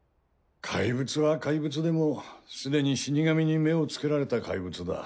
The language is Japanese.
怪物は怪物でもすでに死神に目をつけられた怪物だ。